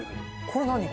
これ何？